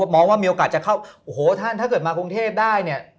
มองว่ามีโอกาสจะเข้าโอ้โหท่านถ้าเกิดมากรุงเทพได้เนี่ย